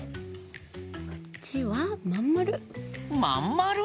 こっちはまんまる！